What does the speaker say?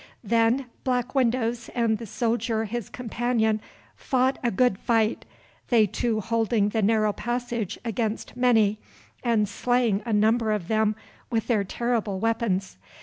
"Then Black Windows and the soldier his companion fought a good fight, they two holding the narrow passage against many, and slaying a number of them with their terrible weapons.